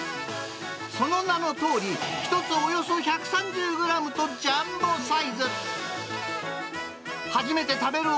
その名のとおり、１つおよそ１３０グラムとジャンボサイズ。